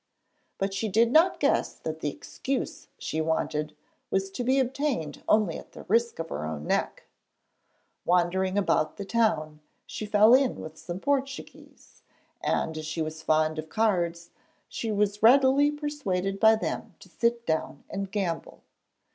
But she did not guess that the 'excuse' she wanted was to be obtained only at the risk of her own neck. Wandering about the town, she fell in with some Portuguese, and as she was fond of cards she was readily persuaded by them to sit down and gamble.